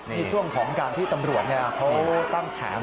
นี่ช่วงของการที่ตำรวจเขาตั้งแผง